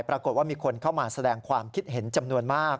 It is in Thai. ปรากฏว่ามีคนเข้ามาแสดงความคิดเห็นจำนวนมาก